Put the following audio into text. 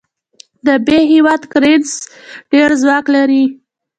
د ب هیواد کرنسي ډېر ځواک لري.